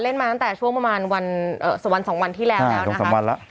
มาตั้งแต่ช่วงประมาณวันสองวันที่แล้วแล้วนะคะ